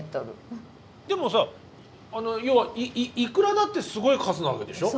でもさ要はイクラだってすごい数なわけでしょ？